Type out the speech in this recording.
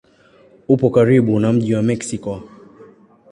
Upo karibu na mji wa Meksiko.